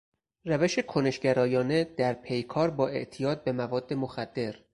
روش کنشگرایانه در پیکار با اعتیاد به مواد مخدر